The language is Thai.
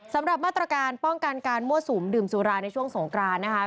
สำหรับมาตรการป้องกันการมั่วสุมดื่มสุราในช่วงสงกรานนะคะ